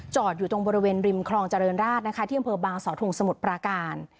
จอดอยู่ตรงบริเวณริมคลองเจริญราชนะคะที่บางสตสมุทรประการ